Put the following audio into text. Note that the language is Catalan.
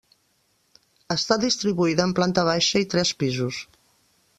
Està distribuïda en planta baixa i tres pisos.